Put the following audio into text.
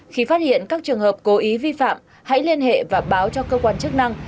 khi phát hiện các trường hợp cố ý vi phạm hãy liên hệ và báo cho cơ quan chức năng